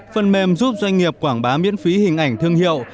phần mềm giúp doanh nghiệp quảng bá miễn phí hình ảnh thương hiệu